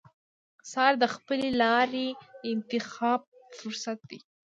سهار د خپلې لارې د انتخاب فرصت دی.